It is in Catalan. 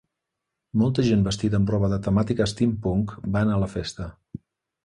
Molta gent vestida amb roba de temàtica steampunk va anar a la festa.